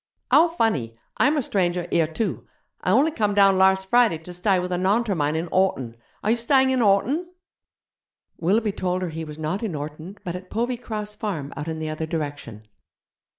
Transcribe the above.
'How funny! Imer stranger here too. I only come down larse Friday to stye with a Naunter mine in Horton. Are you stying in Horton?' Willoughby told her he was not in Orton, but at Povey Cross Farm out in the other direction.